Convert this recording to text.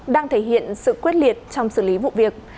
đang thể hiện sự quyết liệt trong xử lý vụ việc